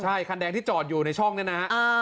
ใช่คันแดงที่จอดอยู่ในช่องนี้นะฮะ